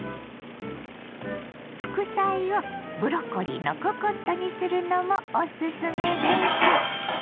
副菜をブロッコリーのココットにするのもおすすめです。